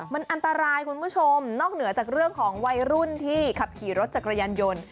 มันอันตรายคุณผู้ชมนอกเหนือจากเรื่องของวัยรุ่นที่ขับขี่รถจักรยานยนต์